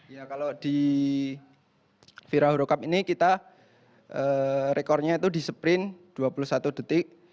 ya kalau di virauro cup ini kita rekornya itu di sprint dua puluh satu detik